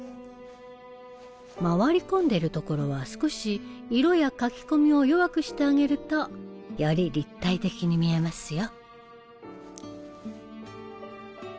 回り込んでいる所は少し色や描き込みを弱くしてあげるとより立体的に見えますよ。